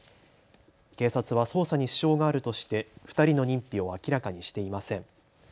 警察は捜査に支障があるとして２人の認否を明らかにしていません。